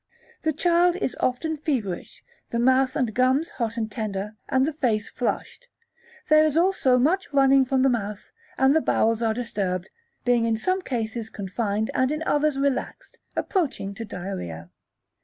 The child is often feverish, the mouth and gums hot and tender, and the face flushed. There is also much running from the mouth, and the bowels are disturbed, being in some cases confined, and in others relaxed, approaching to diarrhoea.